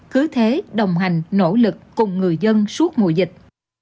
cứ thế đồng hành nỗ lực cùng người dân suốt mùa dịch